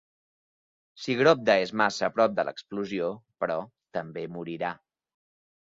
Si Grobda és massa a prop de l'explosió, però, també morirà.